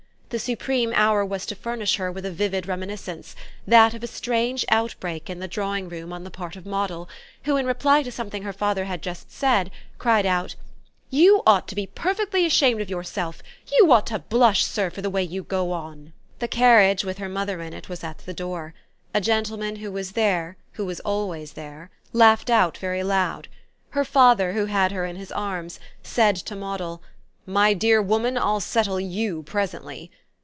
The supreme hour was to furnish her with a vivid reminiscence, that of a strange outbreak in the drawing room on the part of Moddle, who, in reply to something her father had just said, cried aloud: "You ought to be perfectly ashamed of yourself you ought to blush, sir, for the way you go on!" The carriage, with her mother in it, was at the door; a gentleman who was there, who was always there, laughed out very loud; her father, who had her in his arms, said to Moddle: "My dear woman, I'll settle you presently!"